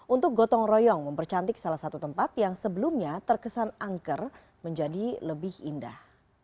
untuk gotong royong mempercantik salah satu tempat yang sebelumnya terkesan angker menjadi lebih indah